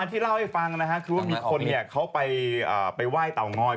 วันที่เล่าให้ฟังนะครับคือมีคนนี้เข้าไปว่ายเต่างอย